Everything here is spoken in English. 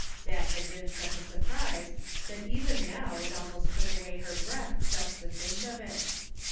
That had been such a surprise that even now it almost took away her breath just to think of it.